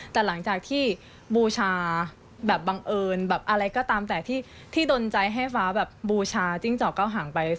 แต่หลังจากที่บูชาแบบบังเอิญแบบอะไรก็ตามแต่ที่ดนใจให้ฟ้าแบบบูชาจิ้งจอกเก้าหางไป